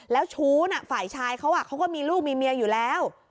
แล้วชู้ฝ่ายชายเขาเขาก็มีลูกมีเมียอยู่แล้ว